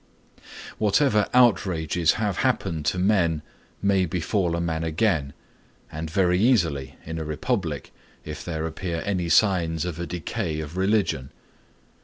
Whatever outrages have happened to men may befall a man again; and very easily in a republic, if there appear any signs of a decay of religion.